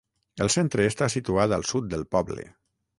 El centre està situat al sud del poble.